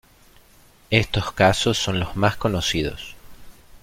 Estos casos son los más conocidos.